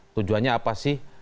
tujuannya apa sih